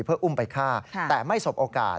เพื่ออุ้มไปฆ่าแต่ไม่สบโอกาส